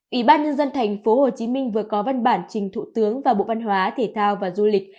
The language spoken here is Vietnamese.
ủy ban nhân dân tp hcm vừa có văn bản trình thủ tướng và bộ văn hóa thể thao và du lịch